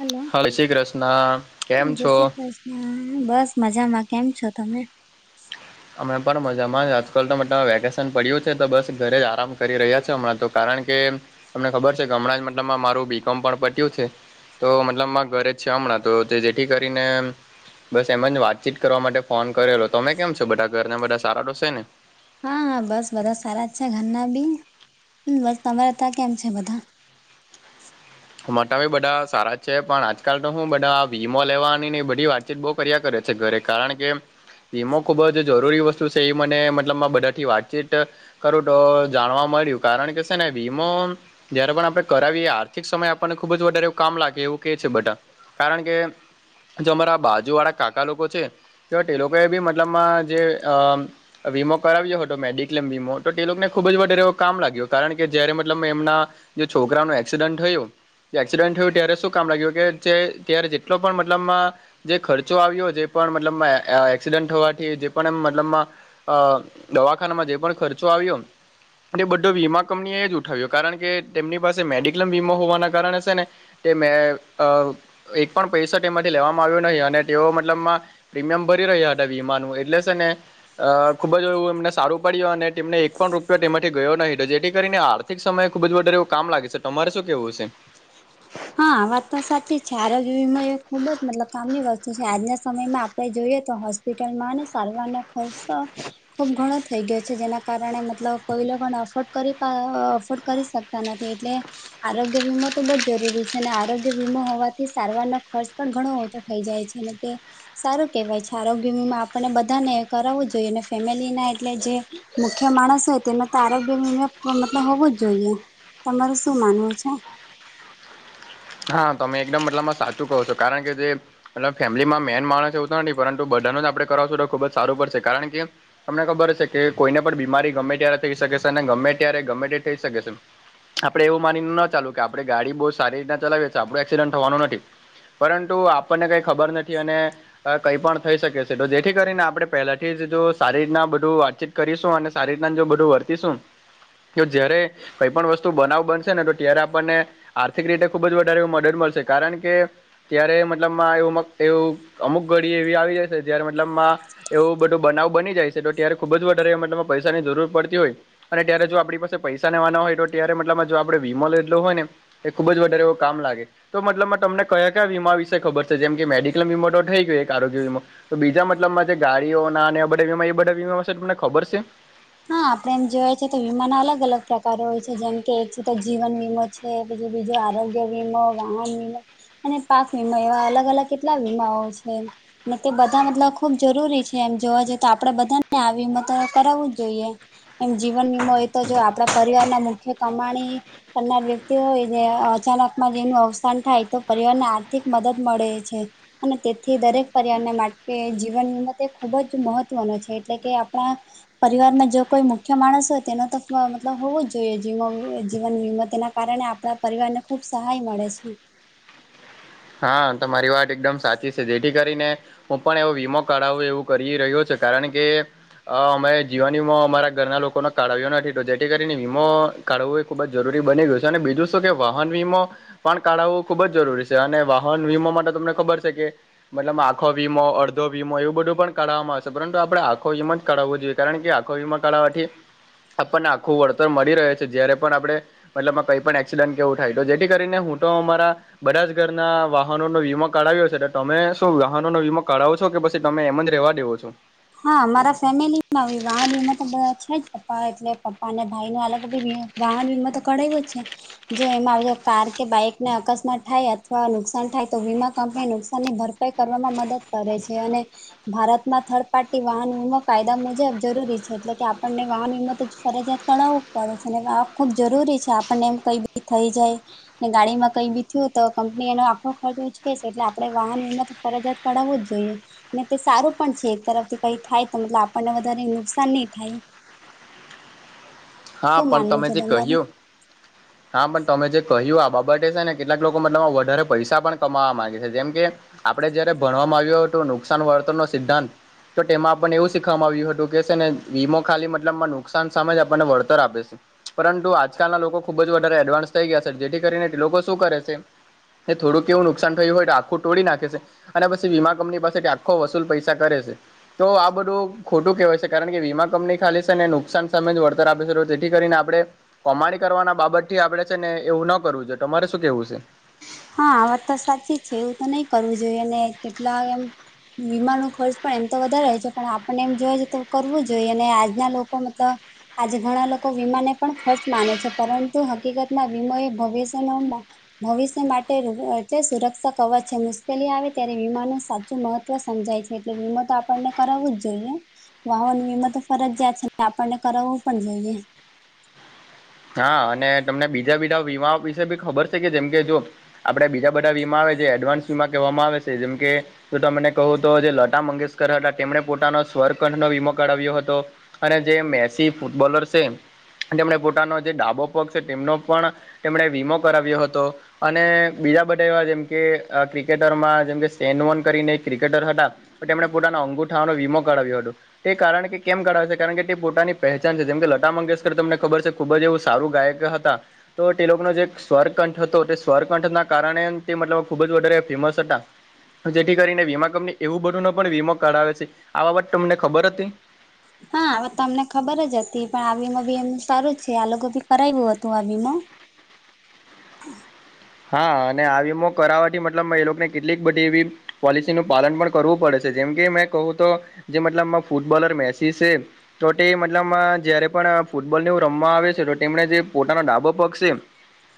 Hello hi Shri Krishna કેમ છો હમ બસ મજામાં કેમ છો તમે અમણા પણ મજામાં આજકાલ તો મત વેકેશન પડ્યું છે તો બસ ઘરે જ આરામ કરી રહ્યા છેો હમણાં તો કારણ કે તમને ખબર છે કે હમણાં જ મતલબમાં મારું બીકોમ પણ પટ્યું છે તો મતલબમાં ઘરે જ છે હમણાં તો જેથી કરીને બસ એમ જ વાતચીત કરવા માટે ફોન કરેલો તમે કેમ છો બધા ઘરના બધા સારા તોોસે ને હા હા બસ બધા સારા છે ઘરના બી બસ તમારે ત્યાં કેમ છે બધા મોટા ભ બધા સારા છે પણ આજકાલ તો હું બધા વીમો લેવાની બધી વાત બહ કર્યા કરે છે ઘરે કારણ કે ધીમો ખુબ જ જરૂરી વસ્તુ છે એ મને મતલબ બધાથી વાતચીત કરું તો જાણવા મળ્યું કારણ કે છે ને વીમો જયારે પણ આપડણે કરાવીએ આથિક સમય આપણને ખુબ જ વધારે એવું કામ લાગે એવું કે છે બેટા કારણ કે જો અમારા બાજુ વાળા કાકા લોકો છે તો તે લોકો એ બી મતલબમાં જે અ વીમો કરાવ્યો હતો મેડિક્લેમ વીમો તો તે લોકોને ખૂબ જ વર એવો કામ લાગ્યો કારણ કે જય્યારે મતલબ એમના જો છોકરા નો એક્સિડન્ટ થયો એક્સિડન્ટ થયું ત્યારે શું કામ લાગ્યું કે જે ત્યારે જેટલો પણ મતલબમાં જે ખર્ચો આવ્યો જે પણ મતલબ એક્સિડન્ટ હોવાથી જે પણ એમ મતલબમાં અ દવાખાનામાં જે પણ ખર્ચો આવ્યો અને બધો વીમા કંપનીએ જ ઉઠાવ્યો કારણ કે તેમની પાસે મેડિક એમ વીમો હોવાના કારણે છે ને તે મે એક પણ પૈસઠી માંથી લેવામાં આવ્યું નહી અને તેઓ મતલબમાં પ્રીમિયમ ભરી રહ્યા હતા વીમાનું એટલે છે ને અ ખુબ જ એવું એમને સારું પડ્યું અને તેમને એક પણ રૂપિયો તેમાંથી ગયો નહીિ તો જેથી કરીને આ આર્થિક સમયે ખુબ જ વડર એવું કામ લાગે છે તમારે શું કેવું હશે હા વાત તો સાચી જ છે આરોગ્ય વિમ એ ખુબ જ મતલબ કામની વસ્તુ છે આજના સમયમાં આપણે જોઈએ તો હોસ્પિટલમાં સારવારનો ખર્ચ ખુબ ઘણો થઈ ગયો છે જેના કારણે મતલબ કોઈ લોકોને અફોર્ડ કરી અફોર્ડ કરી શકતા નથી એટલે આરોગ્ય વીમા તો બહ જરૂરી છે આરોગ્ય વીમાો હોવાથી સારવાર ન ખર્ચ પણ ઘણો ઓછો થઈ જાય છે અને તે સારું કેવાય છે આરોગ્યમાં આપને બધાને કરાવવું જોઈએ અનેને ફેમિલી ના એટલે જે મુખ્ય માણસ હોય તેમાં તો આરોગ્ય મતલબ હોવું જ જોઈએ તમારું શું માનવું છે હા તમે એકદમ મતલબમાં સાચું કહો છો કારણ કે જે એટ ફેમિલીમાં મેન માણસ એવું તો નથી પરંતુ બધાનો જ આપણેે કરાવશું તો ખુબ જ સારું પડશે કારણ કે તમને ખબર હશે કે કોઈને પણ બીમારી ગમે ત્યારે થઈ શકે છે અને ગમે ત્યારે ગમે તે થઈ શકે છે આપડે એવું માનીને ન ચાલુ કે આપે ગાડી બહુ સારી રીતના ચલાવીએીએ આપડું એક્સિડન્ટ થવાનું નથી પરંતુ આપણને કંઈ ખબર નથી અને કઈ પણ થઈ શકે છે તો જેથી કરીને આપણે પહેલાથી જ જો સારી રીતના બધું વાતચીત કરીશું અને સારી રીતના જો બધું વર્તીશું કે જયારે કઈ પણ વસ્તુ બનાવ બનશે ને તો ત્યારે આપણને આર્થિક રીતે ખુબ જ વધારે મદદ મળશે કારણ કે ત્યારે મતલબમાં એવું એવું અમુક ઘડી એવી આવી જશે જ્યારે મતલબમાં એવું બધો બનાવ બની જાય છે તો ત્યારે ખુબ જ વધારે એમાં પૈસાની જરૂર પડતી હોય અને ત્યારે જો આપણી પાસે પૈસા ેવાના હોય તો ત્યારે મતલબમાં જો આપણે વીમો લેધલો હોય ને એ ખુબ જ તેરે કો કામ લાગે તો મતલબમાં તમને કયા કયા વીમા વિશે ખબર છે જેમ કે મેડિક્લમ વીમા તો થઈ ગયો એક આરોગ્ય વીમો તો બીજા મતલબમાં જે ગાડીઓના અને આ બધા વીમા એ બધા વીમામાં છે તમને ખબર છે હા આપડણે એમ જોયા છે તો વીમાના અલગ અલગ પ્રકારો હોય છે જેમ કે એક છે તો જીવન વીમો કે પછી બીજું આરોગ્ય વીમો વાહન વીમો અને પાક વીમા એવા અલગ અલગ કેટલા વીમાઓ છે ને તે બધા મતલબ ખુબ જરૂરી છે એમ જોવા જઈએ તો આપડે બધાને આવી મત કરાવું જ જોઈએ એમ જીવન વીમો એ તો જો આપણા પરિવાર ના મુખ્ય કમાણી કરનાર વ્યક્તિ હો અચાનકમાં જેનું અવસાન થાય તો પરિવારને આર્થિક મદદ મળે છે અને તેથી દરેક પરિવારને માટે જીવન વિમ ખૂબ જ મહત્વનો છે એટલે કે આપણા પરિવારમાં જો કોઈ મુખ્ય માણસ હોય તેનો તો મતલબ હોવું જ જોઈએ જી જીવન વીમો તેના કારણે આપણા પરિવારને ખૂબ સહાય મળે છે હા તમા મારી વાત એકદમ સાચી છે જેથી કરીને હું પણ એવો વીમો કરાવું એવું કરી રહ્યો છ કારણ કે હ અમે જીવાન વીમો અમારા ઘરના લોકોનો કાઢાવ્યો નથી તો જેથી કરીને વીમો કાઢવું એ ખુબ જરૂરી બની ગયું છે અને બીજું શું કે વાહન વીમો પણ કાઢવું ખુબ જરૂરી છે અને વાહન વીમાો માટે તમને ખબર છે કે મતલબ આખો વીમો અડધો વીમો એવું બધું પણ કરાવામાં આવશે પરંતુ આપડે આખો વીમ જ કરાવવું જોઈએ કારણ કે આખો વીમા કાળવાથી આપણને આખું વળતર મળી રહે છે જ્યારે પણ આપણે મતલબમાં કઈ પણ એક્સિડન્ટ કેવું થાય જેથી કરીને હું તો અમારા બધા જ ઘર ના વાહનોનોો વીમા કાઢાવ્યો છેટ તમે શું વાહનોનો વીમા કાઢાવો છો કે પછી તમે એમ જ રેવા દેવો છો હા મારા ફેમિલીમાં વાહનીમાં તો બધા છે જ પપ્પા એટલે પપ્પા અને ભાઈ નો અલગી વાહન વિીમાં તો કરેવું જ છે જો એમાં કાર કે બાઈક ને અકસ્માત થાય અથવા નુકસાન થાય તો વીમા કંપનીને નુકસાન ની ભર કરવામાં મદદ કરે છે અને ભારતમાં થડ પાર્ટટી વાહન વીમો કાયદા મુજબ જરૂરી છે એટલે કે આપણને વાહન વીમો તો ફરજિયાત કરણાવું પડે છેને ખુબ જરૂરી છે આપણને એમ કઈ બી થઈ જાય ગાડી માં કઈ બી થયું તો કંપની એનો આખો ખર્ચ ઉચકે છે એટલે આપડે વાહન વીમા તો ફરજ જ પડાવવું જ જોઈએ ને તે સારું પણ છે એક તરફ કઈ થાય તો મતલબ આપણને વધારે નુકસાન નહી થાય હા શું પણ માનવું તમે છે જે તમારું કહ્યું હા પણ તમે જે કહ્યું આ બાબતે છે ને કેટલાક લોકો મ તમા વધારે પૈસા પણ કમાવા માંગે છે જેમ કે આપડે જયારે ભણવામાં આવ્યું હતું નુકસાન વળતર નો સિ્ધાંત તો તેમાં આપણને એવું શીખવામાં આવ્યું હતું કે છે ને વીમો ખાલી મતલબમાં નુકસાન સામે જ આપણને વર્ત ઉત આપે છે પરંતુ આજકાલના લોકો ખુબ જ વધારે એડવાન્સ થઈ ગયા છે જેથી કરીને લોકો શું કરે છે એ થોડુંવું નુકસાન થયું હોય આખું તોોડી નાખે છે અને પછી વીમા કંપની પાસે આખો વસૂલ પૈસા કરે છે તો આ બધું ખોટું કહેવાય છે કારણ કે વીમા કંપની ખાલી છે ને નુકસાન સામે જ વળતર આપે છે જેથી કરીને આપણે કોમાડી કરવાના બાબત થી આપડે છે ને એવું ન કરવું જોઈએ તમારે શું કેવું છે. હા આ વાત તો સાચી છે એવું તો નહી કરવું જોઈએ અને કેટલા એમ. વીમા ન ખર્ચ પણ એમ તો વધારે છે પણ આપણને એમ જોય છે તો કરવું જોઈએ અને આજના લોકો મતલબ. આજે ઘણા લોકો વીમાને પણ ખર્ચ માને છે પરંતુ હકીકતના વીમો ભવિષનો. ભવિષ્ય માટે એટલે સુરક્ષા અવર છે મુશ્કેલી આવે ત્યારે વિમાનનું સાચું મહત્વ સમજાય છે એટલે વિીમો તો આપણને કરાવવો જ જોઈએ વાહન વીમા તો ફરજિયાયાત છેને આપણને કરાવવું પણ જોઈએ હા અને તમને બીજા બીજા વીમા વિશે બી ખબર છે કે જેમ કે જો આપણે બીજા બધા વીમા આવે જે એડવાન્સ વીમા કહેવામાં આવે છે જેમ કે જો તને કહું તો જે લતા મંગેશકર હતા તેમણે પોતાનો સ્વરકંઠનો વીમો કરાવ્યો હતો અને જે મેસી ફૂટબોલર છે તેમને પોતાનો જે ડાબો પગ છે તેમનો પણ. એમણે વીમો કરાવ્યો હતો. અને બીજા બધા એવા જેમ કે ક્રિકેટરમાં જેમકે સેન વન કરીને ક્રિકેટર હતા. પણ તેમણે પોતાના અંગુઠાઓનો વીમો કરાવ્યો હતો. તે કારણ કે કેમ ગાવે છે કારણ કે તે પોતાની પહેચાન છે જેમ કે લતા મંગેશકર તમને ખબર છે ખુબ જ એવું. સારું ગાયક હતા. તો તે લોકોનો જે સ્વરકંઠ હતો તે સ્વરકંઠના કારણે તે મતલબ ખુબ જ વધારે ફેમસ હતા. જેથી કરીને વીમા કંપની એવું બધું ન પણ વીમો કઢાવે છે આ બાબત તમને ખબર હતી. હા હવે તમને ખબર જ હતી પણ આ વીમો બી એમનું સારું જ છે આ લોકો બી કરાવ્યું હતું આ વીમો. હા અને આમો કરાવવાથી મતલબ એ લોકોને કેટલીક બધી એવી. પોલિસી નનું પાલન પણ કરવું પડે છે જેમ કે મેં કહું તો જે મતલબ ફૂટબોલર મેસી છે. તો તે મતલબ જયારે પણ ફૂટબોલને રમવા આવે છે તો તેમને જે પોતાનો ડાબો પગ છે.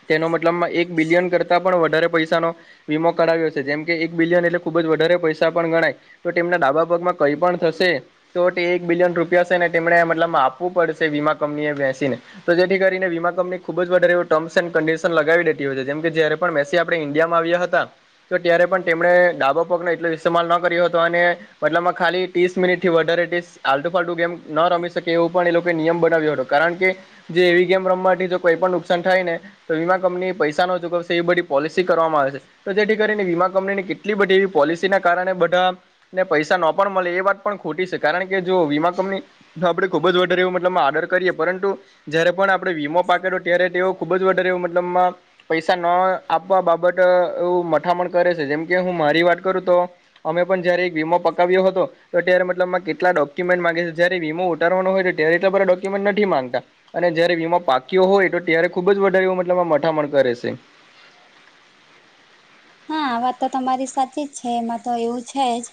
તેનો મતલબમાં એક બિલિયન કરતા પણ વધારે પૈસાનો. વીમો કરાવ્યો છે જેમકે એક બિલિયન એટલે ખુબ જ વધારે પૈસા પણ ગણાય. તો તેમમના ડાબા પગમાં કઈ પણ થશે. તો એક બિલિયન રૂપિયા છે ને તેમને મતલબ આપવું પડશે વીમા કંપની એ બેસીને. તો જેથી કરીને વીમા કંપની ખુબ વધારે એું ટર્મ્સ એન્ કડિશન લગાવીે છે. જેમ કે જયારે પણ મેસી આપણે ઇન્ડિયામાં આવ્યા હતા. તો ત્યારે પણ તેમણે ડાબો પગનો એટલો ઇસ્તેમાલ ન કર્યો હતો અને. મતલબમાં ખાલી ત્રીસ મિનિટ થી વધારે આલટુ ફતુ ગેમ ન રમી શકે એવું પણ એ લોકો નિયમ બનાવ્યો હતો. કારણ કે જે એવી ગેમ રમવા કોઈ પણ નુકસાન થાય ને તો વીમા કંપની પૈસા. ચકવશે એ બધી પોલિસી કરવામાં આવે છે. તો જેથી કરીને વીમા કંપનીની કેટલી બધી એવી પોલિસી ના કારણે બધા. ને પૈસા ન પણ મળે એ વાત પણ ખોટી છે કારણ કે જો વીમા કંપની. તો આપડે ખુબ જ વધારે એવું મતલબ આર્ડર કરીએ પરંતુ. જયારે પણ આપડે વીમો પાકેડ્યો ત્યારે તે ખુબ જ વધારે મતલબમાં. પૈસા ન આપવા બાબત એવું મથામણ કરે છે જેમકે હું મારી વાત કરું તો. અમે પણ જયારે એક વીમા પકાવ્યો હતો. તો અત્યારે મતલબમાં કેટલા ડોક્યુમેન્ટ ગે છે જય વીમો ઉતારવાનો હોય તો ત્યારે એટલા બ ડો્યુમેન્ટ નથી માંગતા. અને જયારે વીમા પાકીઓ હોય તો ત્યારે ખુબ જ વધારે મતલબ મઠામણ કરે છે. હા વાત તો તમારી સાચી જ છે એમાં તો એવું છે જ.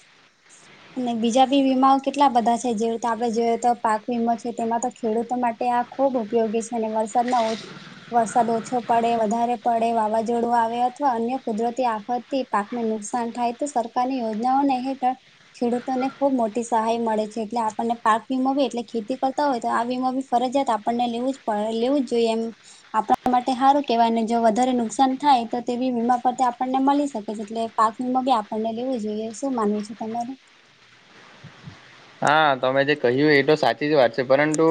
અને બીજા બી વીમાઓ કેટલા બધા છે જે રીતે આપણે જોઈએ તો પાક વીમો છે તેમાં તો ખેડૂતો માટે આ. ખૂબ ઉપયોગી છે અને વરસાદના. વરસાદ ઓછો પડે વધારે પડે વાવાઝોડું આવે અથવા અન્ય. કુદરતી આફતથી પાકને નુકસાન થાય તો સરકારની યોજનાઓને હેઠળ. ખેડૂતોને ખુબ મોટી સહાય મળે છે એટલે આપણને પાક વીમાો બી એટલે ખેતી કરતા હોય તો આ વીમા બી ફરજિયાત. આપણને લેવું જ પડે લેવું જ જોઈએ એમ. આપણા માટે સારું કેવાયને જો વધારે નુકસાન થાય તો તેવી વીમા. ઉપથી આપણને મળી શકે છે એટલે પાકંગમાં બી આપણને લેવું જોઈએ શું માનવું છે તમાર. હા તમે જે કહ્યું એ તો સાચી જ વાત છે પરંતુ.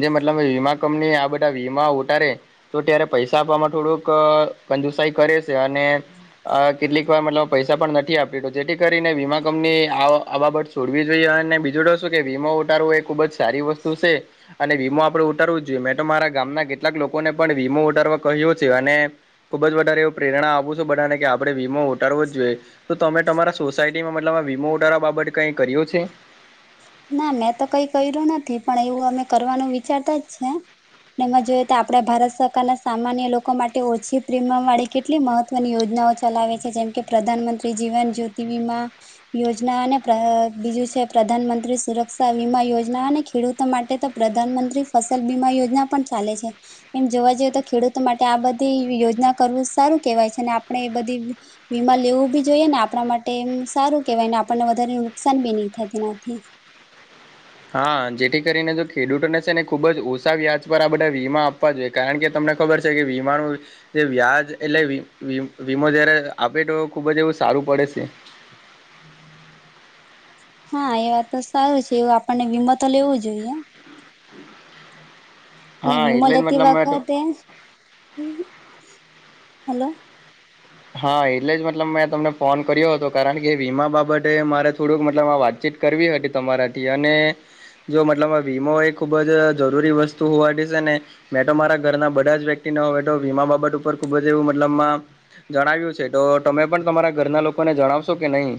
જે મતલબ વીમા કંપની આ બધા વીમા ઉતારે. તો ત્યારે પૈસા આપવામાં થોડુંક કંજુસાઈ કરે છે અને. કેટલીક વાર મતલબ પૈસા પણ નથી આપી તો જેથી કરીને વીમા કંપનીએ આ આ બાબત છોડવી જોઈએ અને. બીજું તો શું કે વીમો ઉટારો એ ખુબ જ સારી વસ્તુ છે. અને વીમો આપડે ઉતારવું જ જોઈએ મેં તો મારા ગામના કેટલાક લોકોને પણ વીમો ઉતારવા કહ્યો છે અને. ખૂબ જ વધારે એવું પ્રેરણા આપું છું બધાને કે આપણે વીમો ઉાારવો જ જોઈએ. તો તમે તમારા સોસાયટીમાં મતલબ આ વીમો ઉારવા બાબત કઈ કર્યો છે ના મેં તો કઈ કર્યું નથી પણ એવું અમે કરવાનું વિચારતા જ છે એમાં જોઈએ તો આપડા ભારત સરકાર ના સામાન્ય લોકો માટે ઓછી પ્રીમિયમ વાળી કેટલી મહત્વની યોજનાઓ ચલાવે છે જેમ કે પ્રધાનમંત્રી જીવન જ્યોતિ વિીમા યોજના અને બીજું છે પ્રધાનમંત્રી સુરક્ષા વીમા યોજના અને ખેડૂતો માટે તો પ્રધાનમંત્રી ફસલ બીમા યોજના પણ ચાલે છે એમ જોવા જઈએ તો ખેડૂતો માટે આ બધી યોજના કરવું સારું કેહેવાય છે અને આપણે એ બધી વીમા લેવું બી જોઈએ ને આપણા માટે એમ સારું કેવાય ને આપણને વધારે નુકસાન બી નહી થાય તેનાથી હા જેથી કરીને જો ખેડૂતોને છે ને ખુબ જ ઓછા વ્યાજ પર આ બધા વીમા આપવા જોઈએ કારણ કે તમને ખબર છે કે વીમાનું જે વ્યાજ એટલે વીમો જયારે આપે તો ખુબ જ એવું સારું પડે છે હા એ વાત તો સારું છે એવું આપણને વીમો તો લેવું જોઈએ ને હા વિમો એટલે જ લેતી મતલબ મેં તો વખતે હલો હા એટલે જ મતલબ મેં તમને ફોન કર્યો હતો કારણ કે વીમા બાબતે મારે થોડુંક મતલબ આ વાતચીત કરવી હતી તમારાથી અને જો મતલબ વીમો એ ખૂબ જ જરૂરી વસ્તુ હોવાથીશે ને મેં તો મારા ઘરના બધા જ વ્યક્તિને હવે તો વીમા બાબત ઉપર ખુબ જ એવું મતલબમાં જણાવ્યું છે તો તમે પણ તમારા ઘરના લોકોને જણાવશો કે નહીં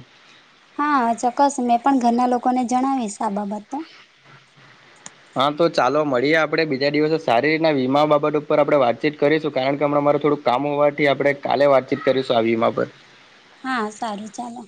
હા ચોક્કસ મેં પણ ઘરના લોકોને જણાવીશ આ બાબત તો હા તો ચાલો મળીએ આપણે બીજા દિવસે સારી રીતના વીમા બાબત ઉપર આપણે વાતચીત કરીશું કારણ કે હણાં મારું થોડુંક કામ હોવાથી આપડણે કાલે વાતચીત કરીશું આ વીમા પર હા સારું ચાલે